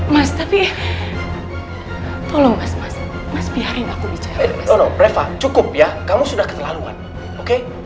mas tapi tolong mas mas mas biarin aku bicara cukup ya kamu sudah keterlaluan oke